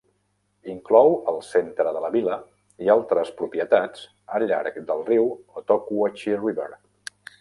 Inclou el centre de la vila i altres propietats al llarg del riu Ottauquechee River.